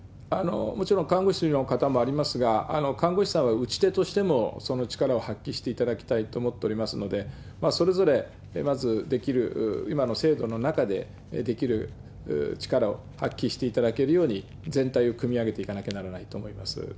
もちろん看護師の方もありますが、看護師さんは打ち手としてもその力を発揮していただきたいと思っておりますので、それぞれまずできる、今の制度の中でできる力を発揮していただけるように、全体を組み上げていかなきゃならないと思います。